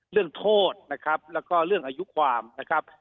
เรื่องโทษนะครับแล้วก็เรื่องอายุความนะครับ